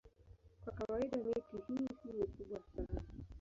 Kwa kawaida miti hii si mikubwa sana.